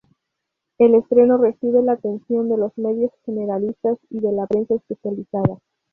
El estreno recibe la atención de los medios generalistas y de la prensa especializada.